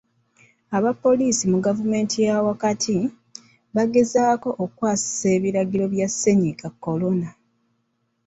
Aba poliisi mu gavumenti eyaawakati, bagezaako okukwasisa ebiragiro bya Ssennyiga Korona.